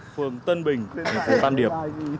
phường tân bình thành phố tam điệp